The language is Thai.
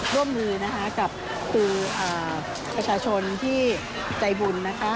ร่วมนือกับคือประชาชนที่ใจบุญนะคะ